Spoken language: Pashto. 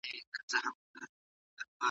که څوک ایرانی ووژني، د ثواب اندازه یې ډېره وه.